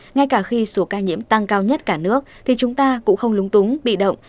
ngay cả khi số ca nhiễm tăng cao nhất cả nước thì chúng ta cũng không lúng túng bị động